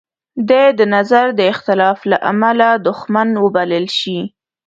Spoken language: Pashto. دی د نظر د اختلاف لامله دوښمن وبلل شي.